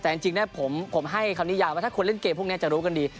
แต่จริงผมให้คำนิยามว่าถ้าคนเล่นเกมพวกนี้จะรู้กันดี